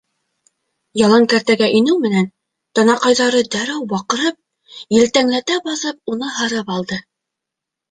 Ялан кәртәгә инеү менән, танаҡайҙары дәррәү баҡырып, елтәңләтә баҫып уны һырып алды.